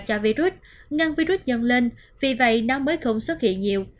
cho virus ngăn virus dần lên vì vậy nó mới không xuất hiện nhiều